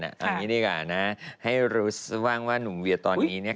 ทำอย่างนี้ดีกว่านะให้รู้สึกว่าว่าหนุ่มเวียตอนนี้เนี่ย